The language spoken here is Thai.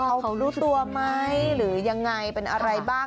เขารู้ตัวไหมหรือยังไงเป็นอะไรบ้าง